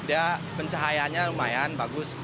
dia pencahayaannya lumayan bagus